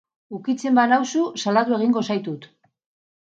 Ukitzen banauzu salatu egingo zaitut.